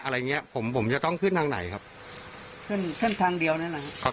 อะไรอย่างเงี้ยผมผมจะต้องขึ้นทางไหนครับขึ้นเส้นทางเดียวนั่นแหละครับ